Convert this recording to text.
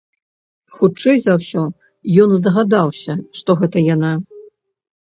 Хутчэй за ўсё ён здагадаўся, што гэта яна.